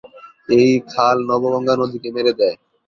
এই খাল নবগঙ্গা নদীকে মেরে দেয়।